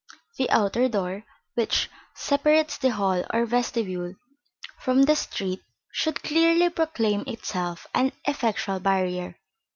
The outer door, which separates the hall or vestibule from the street, should clearly proclaim itself an effectual barrier.